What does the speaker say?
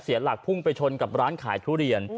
หลักพุ่งไปชนกับร้านขายทุเรียน